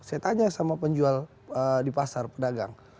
saya tanya sama penjual di pasar pedagang